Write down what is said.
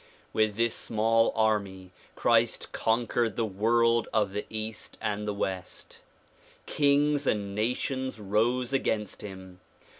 With this small armv Christ conquered the world of the east and the west. Kings and nations rose against him.